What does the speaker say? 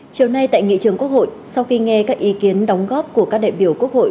chiều nay tại nghị trường quốc hội sau khi nghe các ý kiến đóng góp của các đại biểu quốc hội